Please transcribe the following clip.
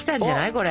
これ。